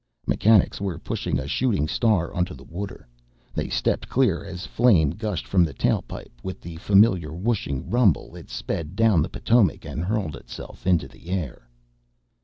Mechanics were pushing a Shooting Star onto the water. They stepped clear as flame gushed from the tail pipe; with the familiar whooshing rumble it sped down the Potomac and hurled itself into the air.